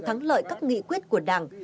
thắng lợi các nghị quyết của đảng